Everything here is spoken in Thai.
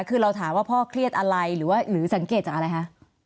คือเราถามว่าพ่อเครียดอะไรหรือว่าหรือสังเกตจากอะไรคะ